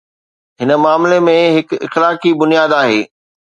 هن معاملي ۾ هڪ اخلاقي بنياد آهي.